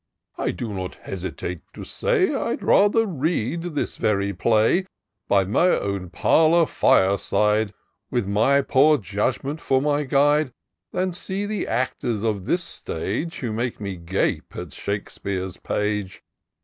I do not hesitate to say — I'd rather read this very play IN SEARCH OF THE PICTURESQUE. 305 By my own parlour fire side. With my poor judgment for my guide, Than see the actors of this stage, Who make me gape at Shakespeare's page.